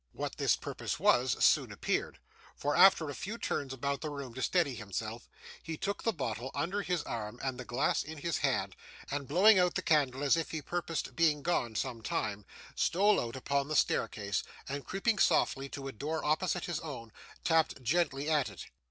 What this purpose was soon appeared; for, after a few turns about the room to steady himself, he took the bottle under his arm and the glass in his hand, and blowing out the candle as if he purposed being gone some time, stole out upon the staircase, and creeping softly to a door opposite his own, tapped gently at it.